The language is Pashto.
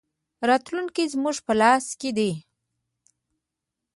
راتلونکی زموږ په لاس کې دی